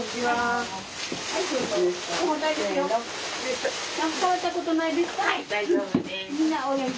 はい大丈夫です。